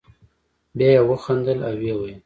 بیا یې وخندل او ویې ویل.